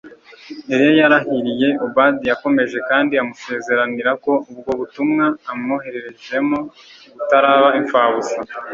Eliya yarahiriye Obadiya akomeje kandi amusezeranira ko ubwo butumwa amwohorejemo butaraba imfabusa